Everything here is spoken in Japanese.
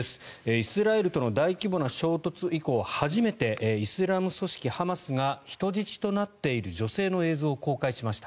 イスラエルとの大規模な衝突以降初めてイスラム組織ハマスが人質となっている女性の映像を公開しました。